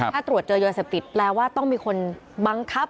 ถ้าตรวจเจอยาเสพติดแปลว่าต้องมีคนบังคับ